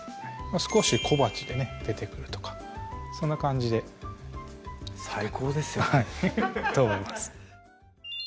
少し小鉢でね出てくるとかそんな感じで最高ですよねと思います